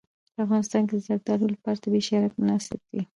په افغانستان کې د زردالو لپاره طبیعي شرایط مناسب دي.